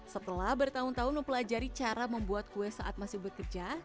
setelah bertahun tahun mempelajari cara membuat kue saat masih bekerja